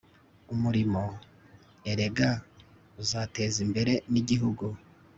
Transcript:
umurimo erega uteza imbere n'igihugu